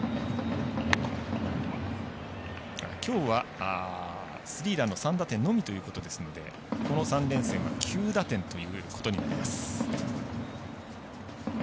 きょうは、スリーランの３打点のみということですのでこの３連戦は９打点ということになります。